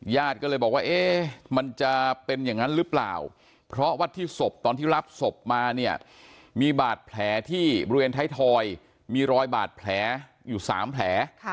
ญาติก็เลยบอกว่าเอ๊ะมันจะเป็นอย่างนั้นหรือเปล่าเพราะว่าที่ศพตอนที่รับศพมาเนี่ยมีบาดแผลที่บริเวณไทยทอยมีรอยบาดแผลอยู่๓แผล